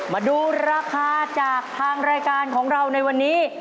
มาดูราคาจากทางรายการของเราในวันนี้